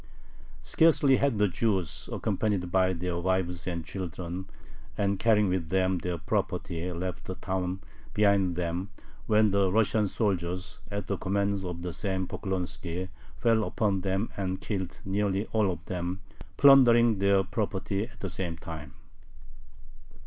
Scarcely had the Jews, accompanied by their wives and children, and carrying with them their property, left the town behind them when the Russian soldiers, at the command of the same Poklonski, fell upon them and killed nearly all of them, plundering their property at the same time.